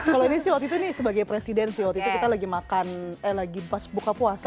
kalau ini sih waktu itu nih sebagai presiden sih waktu itu kita lagi makan eh lagi pas buka puasa